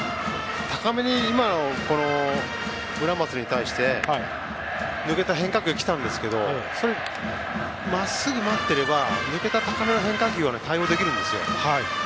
今の村松に対して、高めに抜けた変化球が来たんですけどまっすぐを待っていれば抜けた高めの変化球には対応できるんですよ。